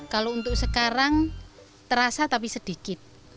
kalau untuk sekarang terasa tapi sedikit